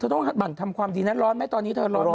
เธอต้องทำความดีนะร้อนไหมตอนนี้เธอร้อนไหม